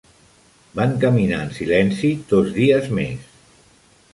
Van caminar en silenci dos dies més.